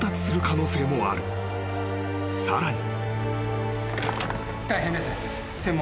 ［さらに］